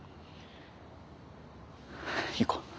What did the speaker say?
行こう。